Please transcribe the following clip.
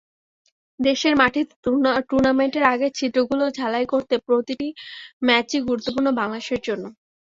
দেশের মাটিতে টুর্নামেন্টের আগে ছিদ্রগুলো ঝালাই করতে প্রতিটি ম্যাচই গুরুত্বপূর্ণ বাংলাদেশের জন্য।